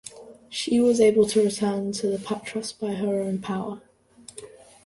She was able to return to Patras by her own power.